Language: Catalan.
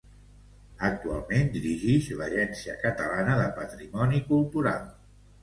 Actualment dirigix l'Agència Catalana de Patrimoni Cultural.